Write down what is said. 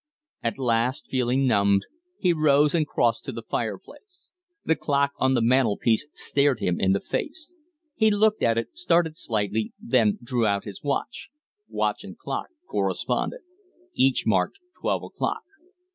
At last, feeling numbed, he rose and crossed to the fireplace. The clock on the mantel piece stared him in the face. He looked at it, started slightly, then drew out his watch. Watch and clock corresponded. Each marked twelve o'clock.